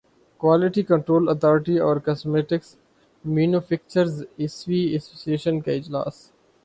quality control authority اور cosmetics manufacturers association کا اجلاس